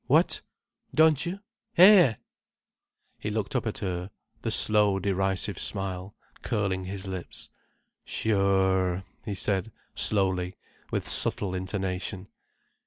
What? Don't you? Hé?" He looked up at her, the slow, derisive smile curling his lips. "Sure," he said slowly, with subtle intonation.